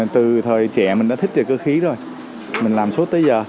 từ thời trẻ mình đã thích về cơ khí rồi mình làm suốt tới giờ